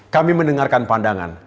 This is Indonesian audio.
kami mendengarkan pandangan